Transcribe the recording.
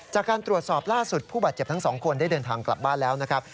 จากการตรวจสอบล่าสุดผู้บาดเจ็บทั้งสองคนได้เดินทางกลับบ้านแล้วนะครับ